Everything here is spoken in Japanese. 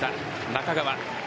中川。